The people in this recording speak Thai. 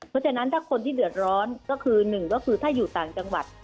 เพราะฉะนั้นถ้าคนที่เดือดร้อนก็คือหนึ่งก็คือถ้าอยู่ต่างจังหวัด